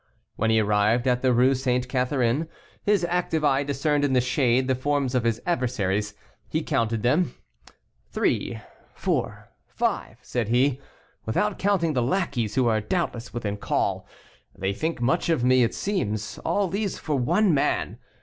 When he arrived at the Rue St. Catherine, his active eye discerned in the shade the forms of his adversaries. He counted them: "Three, four, five," said he, "without counting the lackeys, who are doubtless within call. They think much of me, it seems; all these for one man.